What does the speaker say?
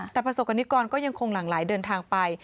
แต่ประสบกรณิกรก็ยังคงหลั่งไหลเดินทางไป